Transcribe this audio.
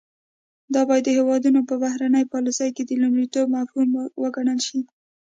دا باید د هیوادونو په بهرنۍ پالیسۍ کې د لومړیتوب مفهوم وګڼل شي